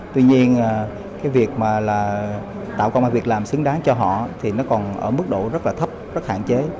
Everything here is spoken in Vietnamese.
tuy nhiên việc tạo công việc làm xứng đáng cho họ còn ở mức độ rất thấp rất hạn chế